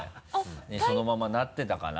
そのままなってたかな？